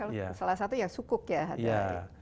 salah satu ya sukuk ya